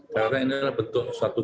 karena ini adalah bentuk suatu